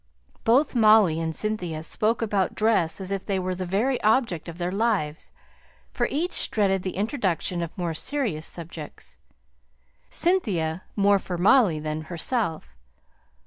Both Molly and Cynthia spoke about dress as if it was the very object of their lives; for each dreaded the introduction of more serious subjects; Cynthia more for Molly than herself.